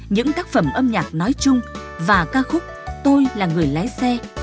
những tác phẩm âm nhạc nói chung và ca khúc tôi là người lái xe